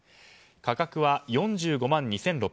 価格は４５万２６００円。